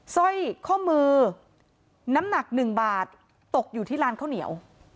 สร้อยข้อมือน้ำหนัก๑บาทตกอยู่ที่ร้านข้าวเหนียว